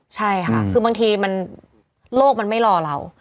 ใช่ค่ะคือบางทีมันโลกมันไม่รอเรา